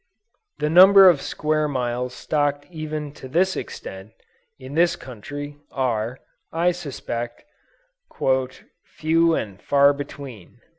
The number of square miles stocked even to this extent, in this country, are, I suspect, "few and far between."